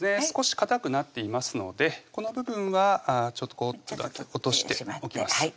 少しかたくなっていますのでこの部分はちょっと落としておきます